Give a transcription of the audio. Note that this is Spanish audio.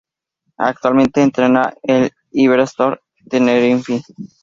Actualmente entrena al Iberostar Tenerife.